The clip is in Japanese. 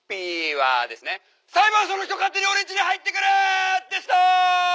「裁判所の人勝手に俺んちに入ってくる」でした！